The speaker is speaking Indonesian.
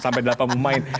sampai delapan pemain